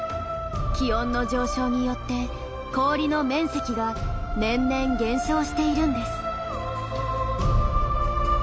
気温の上昇によって氷の面積が年々減少しているんです。